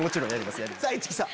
さぁ市來さん。